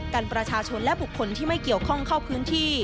กันประชาชนและผู้คนที่ไม่เกี่ยวข้องเข้าเรือง